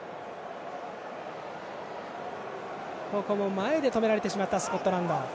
前で止められてしまったスコットランド。